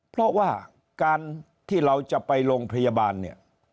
เพราะว่าการที่เราจะไปโรงพยาบาลเนี่ย